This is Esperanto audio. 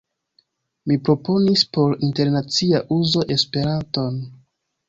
Mi proponis por internacia uzo Esperanton.